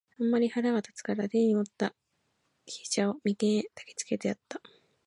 あんまり腹が立つたから、手に在つた飛車を眉間へ擲きつけてやつた。